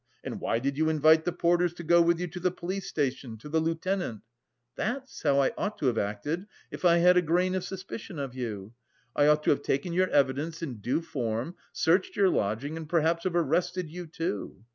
And why did you invite the porters to go with you to the police station, to the lieutenant?' That's how I ought to have acted if I had a grain of suspicion of you. I ought to have taken your evidence in due form, searched your lodging and perhaps have arrested you, too...